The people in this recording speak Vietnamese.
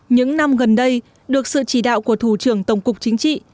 những năm gần đây được sự chỉ đạo của thủ trưởng tổng cục chính trị